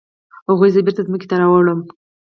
هغوی زه بیرته ځمکې ته راوړم.